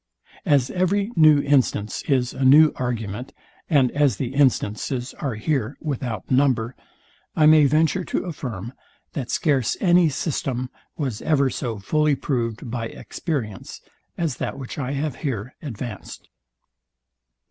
As every new instance is a new argument, and as the instances are here without number, I may venture to affirm, that scarce any system was ever so fully proved by experience, as that which I have here advanced.